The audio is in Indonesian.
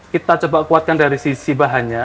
kita coba kuatkan dari sisi bahannya